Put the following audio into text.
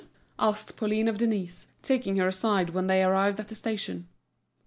asked Pauline of Denise, taking her aside when they arrived at the station.